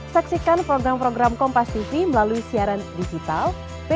saksikan program program kompas tv melalui siaran digital